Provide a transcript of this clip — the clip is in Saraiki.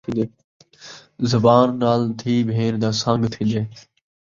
زبان نال دھی بھیݨ دا سن٘ڳ تھین٘دے